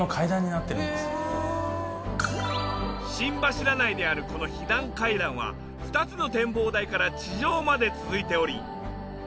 心柱内にあるこの避難階段は２つの展望台から地上まで続いており。